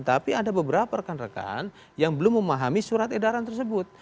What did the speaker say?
tapi ada beberapa rekan rekan yang belum memahami surat edaran tersebut